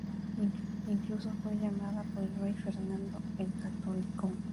Incluso fue llamada por el rey Fernando el Católico.